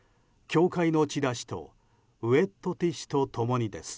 協会のチラシとウェットティッシュと共にです。